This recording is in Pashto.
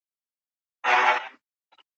د دښتونو پر لمنو د اجل خېمې وهلي